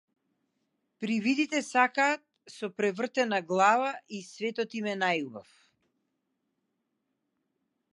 Привидите сакаат со превртена глава и светот им е најубав.